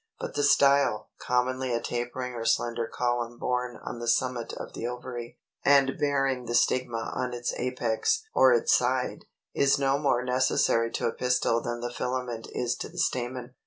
But the style, commonly a tapering or slender column borne on the summit of the ovary, and bearing the stigma on its apex or its side, is no more necessary to a pistil than the filament is to the stamen.